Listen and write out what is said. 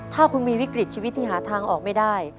ถ้าคุณมีวิกฤตชีวิตที่หาทางออกไม่ได้